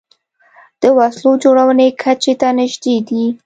د وسلو جوړونې کچې ته نژدې دي